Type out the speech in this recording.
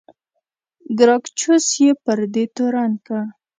ګراکچوس یې پر دې تورن کړ.